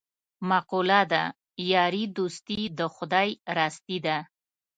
مقوله ده: یاري دوستي د خدای راستي ده.